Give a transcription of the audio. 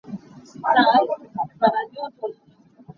Mupi nih arfa a cawi.